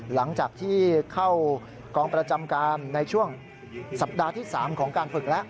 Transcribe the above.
หลังจากที่เข้ากองประจำการในช่วงสัปดาห์ที่๓ของการฝึกแล้ว